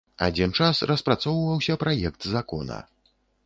Адзін час распрацоўваўся праект закона.